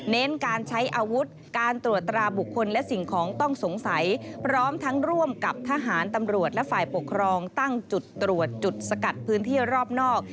เน้นการใช้อาวุธการตรวจตราบุคคลและสิ่งของต้องสงสัยพร้อมทั้งร่วมกับทหารตำรวจและฝ่ายปกครองตั้งจุดตรวจจุดสกัดพื้นที่รอบนอก